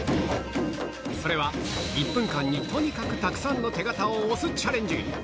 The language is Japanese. それは、１分間にとにかくたくさんの手形を押すチャレンジ。